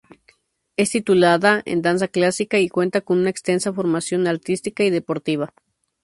Es titulada en danza clásica y cuenta con una extensa formación artística y deportiva.